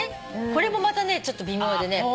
これもまたねちょっと微妙でね。